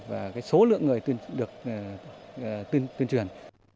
và cái số lượng người tuyên truyền được tuyên truyền